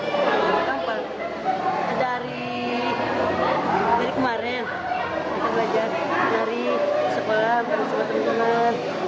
gampang dari kemarin kita belajar nari sepulang sepulang sepulang